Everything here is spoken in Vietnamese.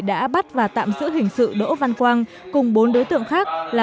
đã bắt và tạm giữ hình sự đỗ văn quang cùng bốn đối tượng khác là